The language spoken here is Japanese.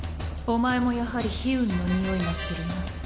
お前もやはり悲運のにおいがするな。